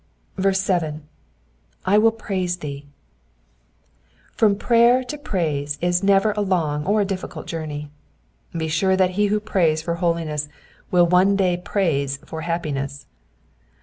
.7. / wUl praise thee.'*'' From prayer to praise is never a long or a ditficult iourney. Be sure that he who prays for holiness will one day praise for aappiness.